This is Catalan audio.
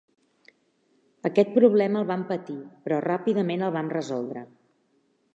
Aquest problema el vam patir, però ràpidament el vam resoldre.